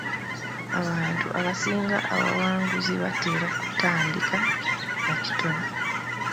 Abantu abasinga abawanguzi batera kutandika na kitono.